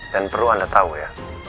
dan perlu anda tahu ya